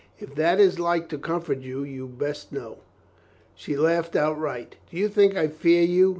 "If that is like to comfort you, you best know." She laughed outright. "Do you think I fear you?